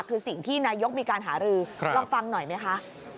คือสิ่งที่นายกมีการหารือลองฟังหน่อยไหมคะ